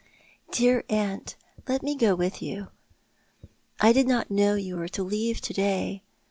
" Dear aunt, let me go with you. I did not know you were to leave to day.